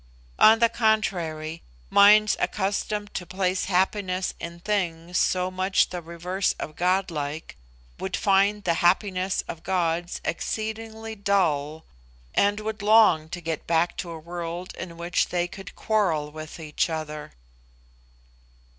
On the contrary, minds accustomed to place happiness in things so much the reverse of godlike, would find the happiness of gods exceedingly dull, and would long to get back to a world in which they could quarrel with each other."